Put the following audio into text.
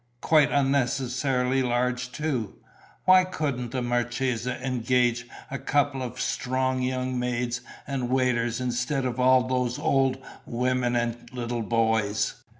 Quite unnecessarily large too! Why couldn't the marchesa engage a couple of strong young maids and waiters instead of all those old women and little boys?